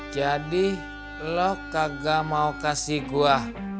jadi lo kagak mau kasih gue